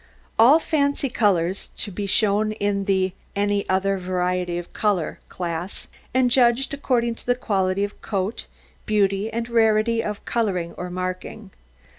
All fancy colours to be shown in the "any other variety of colour" class, and judged according to quality of coat, beauty, and rarity of colouring or marking.